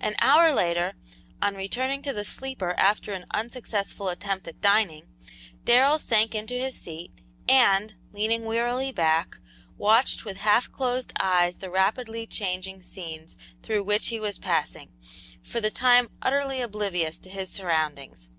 An hour later, on returning to the sleeper after an unsuccessful attempt at dining, Darrell sank into his seat, and, leaning wearily back, watched with half closed eyes the rapidly changing scenes through which he was passing, for the time utterly oblivious to his surroundings.